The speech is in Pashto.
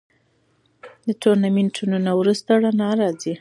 د تورتمونو نه وروسته رڼا راځي.